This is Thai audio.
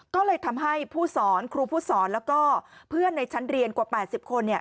ก็เลยทำให้ผู้สอนครูผู้สอนแล้วก็เพื่อนในชั้นเรียนกว่า๘๐คน